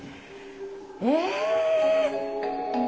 え！